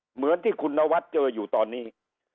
เหมือนที่คุณนวัดเจออยู่ตอนนี้